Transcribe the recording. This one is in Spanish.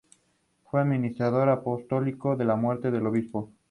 Fue administrador apostólico a la muerte del obispo.